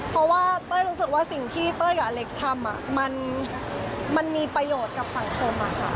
เพราะว่าเต้ยรู้สึกว่าสิ่งที่เต้ยกับอเล็กซ์ทำมันมีประโยชน์กับสังคม